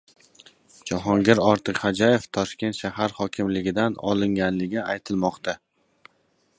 Jahongir Ortiqxo‘jayev Toshkent shahar hokimligidan olingani aytilmoqda